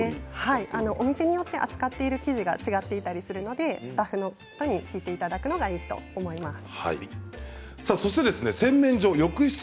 お店によっては扱っているものが違ったりしますのでスタッフの方に聞くのがいいと思います。